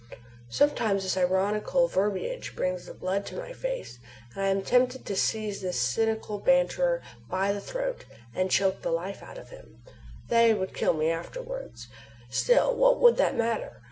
Sometimes this ironical verbiage brings the blood to my face, and I am tempted to seize this cynical banterer by the throat and choke the life out of him. They would kill me afterwards. Still, what would that matter!